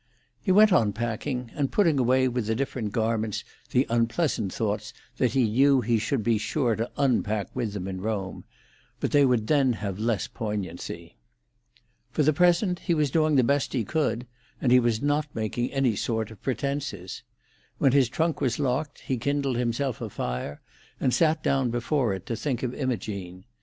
He went on packing, and putting away with the different garments the unpleasant thoughts that he knew he should be sure to unpack with them in Rome; but they would then have less poignancy. For the present he was doing the best he could, and he was not making any sort of pretences. When his trunk was locked he kindled himself a fire, and sat down before it to think of Imogene.